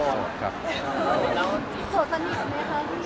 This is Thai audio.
สนับสนิทกันมาก